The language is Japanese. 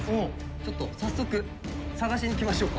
ちょっと早速捜しに行きましょうか。